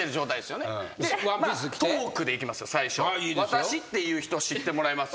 私っていう人を知ってもらいます。